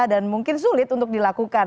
dan mungkin sulit untuk dilakukan